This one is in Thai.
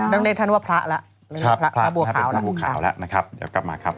ต้องเรียกท่านว่าพระแล้วพระบัวขาวแล้วนะครับเดี๋ยวกลับมาครับ